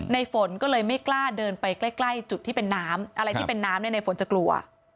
ฝนก็เลยไม่กล้าเดินไปใกล้จุดที่เป็นน้ำอะไรที่เป็นน้ำเนี่ยในฝนจะกลัว